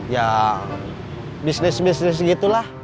ya bisnis bisnis gitulah